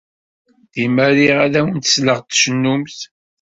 Dima riɣ ad awent-sleɣ tcennumt.